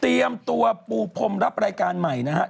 เตรียมตัวปูพรมรับรายการใหม่นะฮะ